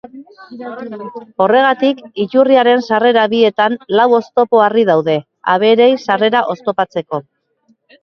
Horregatik, iturriaren sarrera bietan lau oztopo-harri daude, abereei sarrera oztopatzeko.